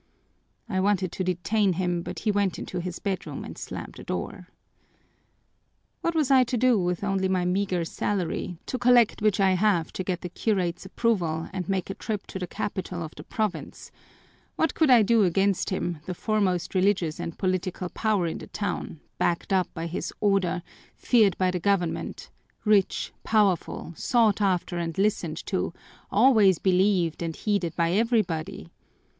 I wanted to detain him, but he went into his bedroom and slammed the door. "What was I to do with only my meager salary, to collect which I have to get the curate's approval and make a trip to the capital of the province, what could I do against him, the foremost religious and political power in the town, backed up by his Order, feared by the government, rich, powerful, sought after and listened to, always believed and heeded by everybody?